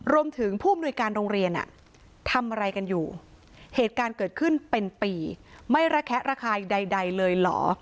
ผู้อำนวยการโรงเรียนทำอะไรกันอยู่เหตุการณ์เกิดขึ้นเป็นปีไม่ระแคะระคายใดเลยเหรอ